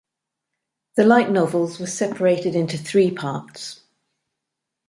The light novels were separated into three parts.